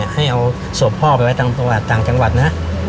ให้เอาสมภิกษณ์พ่อไปประมาทตางจังหวัดนะ